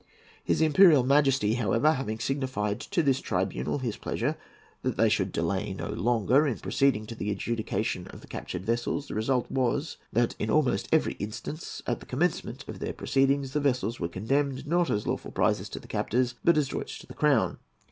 His Imperial Majesty, however, having signified to this tribunal his pleasure that they should delay no longer in proceeding to the adjudication of the captured vessels, the result was that, in almost every instance, at the commencement of their proceedings, the vessels were condemned, not as lawful prizes to the captors, but as droits to the Crown.